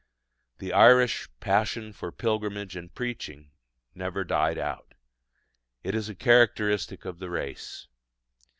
The Irish "passion for pilgrimage and preaching" never died out: it is a characteristic of the race.